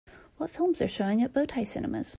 what films are showing at Bow Tie Cinemas